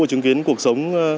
chứng kiến cuộc sống